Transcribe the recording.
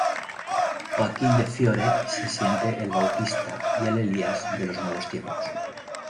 Joaquín de Fiore se siente el Bautista y el Elías de los nuevos tiempos.